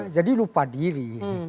jadi lupa diri